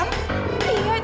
ini tentang kata umat